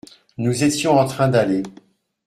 Nous étions en train d’aller.